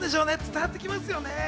伝わってきますね。